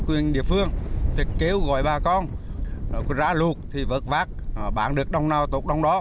quyền địa phương thì kêu gọi bà con rã lụt thì vợt vác bán được đông nào tốt đông đó